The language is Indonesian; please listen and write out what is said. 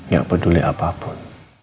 gak peduli apapun